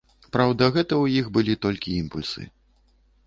Праўда, гэта ў іх былі толькі імпульсы.